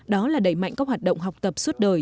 đó là đẩy mạnh các hoạt động học tập suốt đời